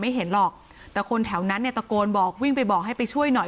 เห็นหรอกแต่คนแถวนั้นเนี่ยตะโกนบอกวิ่งไปบอกให้ไปช่วยหน่อย